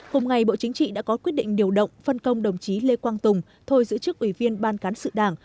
hôm nay bộ chính trị đã có quyết định điều động phân công đồng chí lê quang tùng thôi giữ chức ủy viên ban cán sự đảng